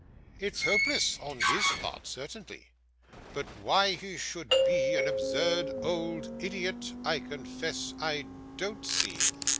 It's hopeless on his part, certainly; but why he should be an absurd old idiot, I confess I don't see.